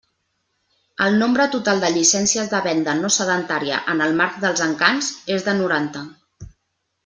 El nombre total de llicències de Venda No Sedentària en el marc dels Encants és de noranta.